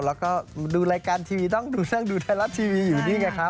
แล้วก็ดูรายการทีวีต้องดูช่างดูไทยรัฐทีวีอยู่นี่ไงครับ